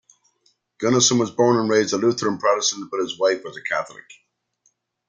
Gunnarsson was born and raised a Lutheran Protestant, but his wife was a Catholic.